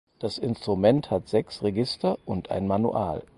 Das Instrument hat sechs Register und ein Manual.